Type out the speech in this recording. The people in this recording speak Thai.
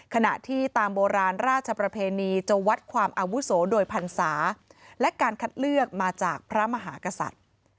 ขณะที่ตามโบราณราชประเพณีจะวัดความอาวุโสโดยพรรษาและการคัดเลือกมาจากพระมหากษัตริย์